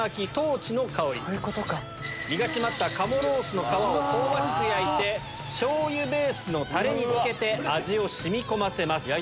身が締まった鴨ロースの皮を香ばしく焼いて醤油ベースのタレに漬けて味を染み込ませます。